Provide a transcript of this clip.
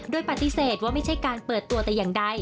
โดยปฏิเสธว่าไม่ใช่การเปิดตัวแต่อย่างใด